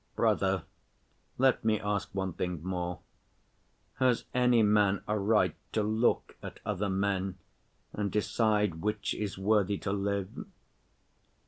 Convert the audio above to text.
"Brother, let me ask one thing more: has any man a right to look at other men and decide which is worthy to live?"